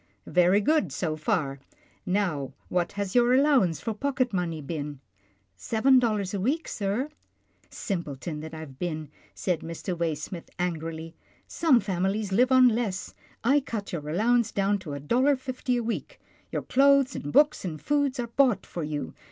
" Very good, so far — now what has your allow : ance for pocket money been ?"" Seven dollars a week, sir." " Simpleton that I have been," said Mr. Way smith angrily, " some families live on less — I cut your allowance down to a dollar fifty a week. Your clothes, and books and food are bought for you.